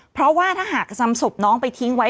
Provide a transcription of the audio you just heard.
เพราะว่าถ้าหากนำศพน้องไปทิ้งไว้